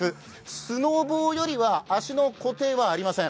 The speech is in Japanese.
スノボよりは足の固定はありません。